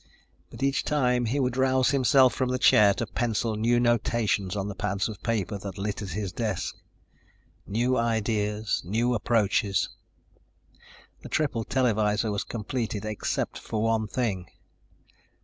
But each time he would rouse himself from the chair to pencil new notations on the pads of paper that littered his desk. New ideas, new approaches. The triple televisor was completed except for one thing.